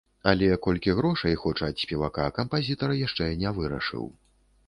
Але колькі грошай хоча ад спевака, кампазітар яшчэ не вырашыў.